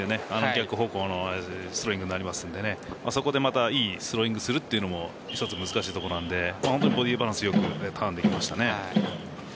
逆方向のスローイングになりますのでそれでまたいいスローイングをするのも一つ難しいところなのでボディーバランスよくターンできましたね。